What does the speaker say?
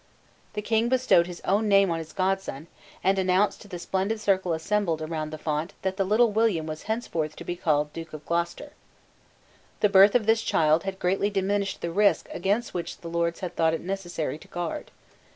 The King bestowed his own name on his godson, and announced to the splendid circle assembled around the font that the little William was henceforth to be called Duke of Gloucester, The birth of this child had greatly diminished the risk against which the Lords had thought it necessary to guard.